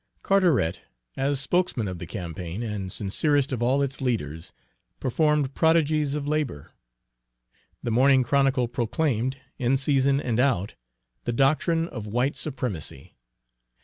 Carteret, as spokesman of the campaign, and sincerest of all its leaders, performed prodigies of labor. The Morning Chronicle proclaimed, in season and out, the doctrine of "White Supremacy."